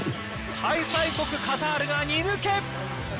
開催国・カタールが２抜け。